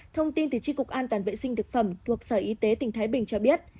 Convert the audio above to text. thông tin từ tri cục an toàn vệ sinh thực phẩm thuộc sở y tế tỉnh thái bình cho biết